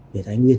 về thái nguyên